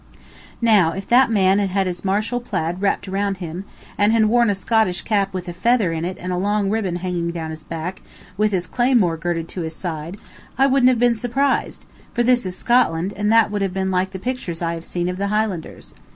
Now if that man had had his martial plaid wrapped around him, and had worn a Scottish cap with a feather in it and a long ribbon hanging down his back, with his claymore girded to his side, I wouldn't have been surprised; for this is Scotland, and that would have been like the pictures I have seen of Highlanders.